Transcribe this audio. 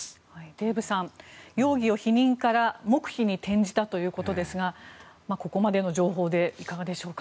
デーブさん容疑を否認から黙秘に転じたということですがここまでの情報でいかがでしょうか。